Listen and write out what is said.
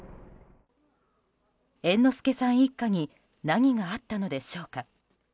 猿之助さん一家に何があったのでしょうか。